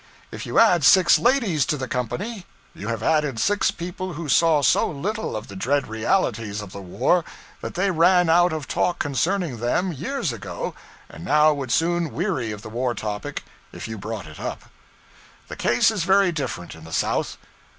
If you add six ladies to the company, you have added six people who saw so little of the dread realities of the war that they ran out of talk concerning them years ago, and now would soon weary of the war topic if you brought it up. The case is very different in the South.